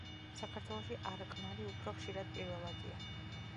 საქართველოში არყნარი უფრო ხშირად პირველადია.